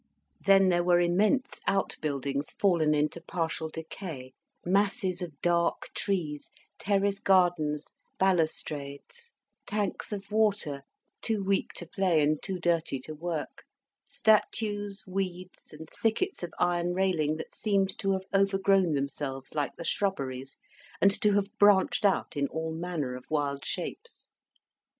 Then there were immense out buildings fallen into partial decay, masses of dark trees, terrace gardens, balustrades; tanks of water, too weak to play and too dirty to work; statues, weeds, and thickets of iron railing that seemed to have overgrown themselves like the shrubberies, and to have branched out in all manner of wild shapes.